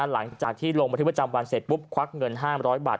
หลังจากที่ลงบันทึกประจำวันเสร็จปุ๊บควักเงิน๕๐๐บาท